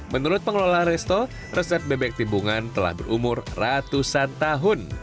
menurut pengelola resto resep bebek timbungan telah berumur ratusan tahun